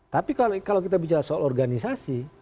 tapi kalau kita bicara soal organisasi